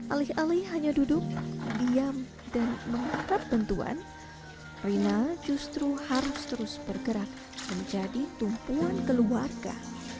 alih alih hanya duduk diam dan mengangkat bentuan rina justru harus terus bergerak menjadi tumpuan keluarga